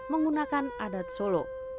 menggunakan adat solo